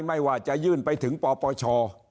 ไม่ว่าจะยื่นไปถึงปปช